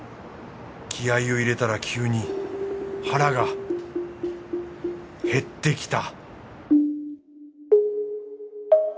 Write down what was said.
気合いを入れたら急に腹が減ってきた